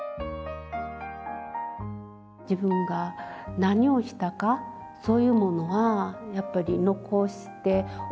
自分が何をしたかそういうものはやっぱり残しておきたい。